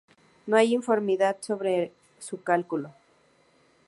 No hay uniformidad sobre su cálculo.